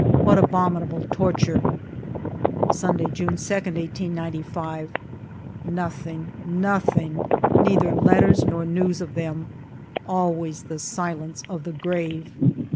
What abominable torture ! Sunday^ June 2, 1895. Nothing. Nothing. Neither letters nor news of them ; always the silence of the grave.